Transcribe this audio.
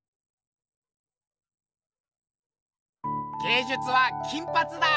芸術は金ぱつだ！